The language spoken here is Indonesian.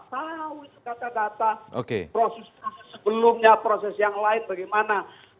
tahu itu kata data proses proses sebelumnya proses yang lain bagaimana